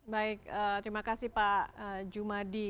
baik terima kasih pak jumadi